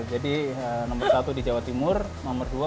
jadi nomor satu di jawa timur nomor dua